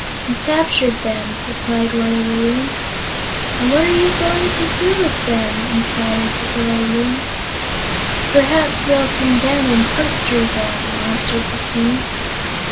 "We captured them," replied one of the Loons. "And what are we going to do with them?" inquired the girl Loon. "Perhaps we'll condemn 'em and puncture 'em," answered the King.